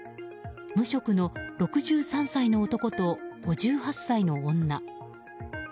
無職の６３歳の男と５８歳の女。